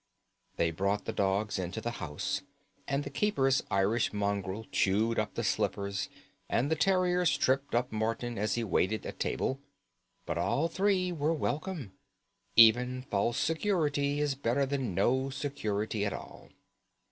They brought the dogs into the house, and the keeper's Irish mongrel chewed up the slippers, and the terriers tripped up Morton as he waited at table; but all three were welcome. Even false security is better than no security at all.